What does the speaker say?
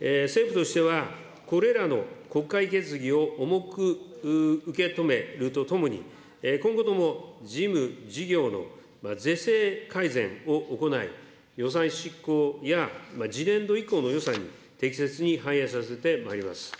政府としてはこれらの国会決議を重く受け止めるとともに、今後とも事務、事業の是正改善を行い、予算執行や次年度以降の予算に適切に反映させてまいります。